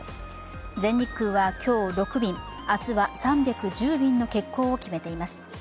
全日空は今日６便、明日は３１０便の欠航を決めています。